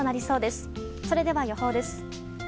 それでは、予報です。